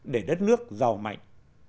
để đất nước giàu mạnh